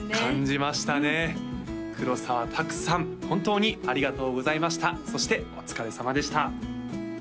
本当にありがとうございましたそしてお疲れさまでした